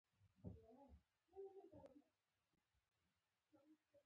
په ګولایي کې کمبر او سوپرایلیویشن سره مساوي کیږي